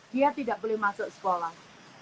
dia tidak boleh masuk sekolah